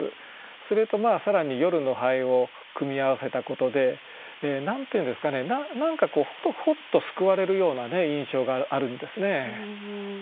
それと更に「夜の蠅」を組み合わせたことで何て言うんですかねほっと救われるような印象があるんですね。